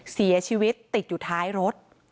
เสียชีวิตติดอยู่ท้ายรถ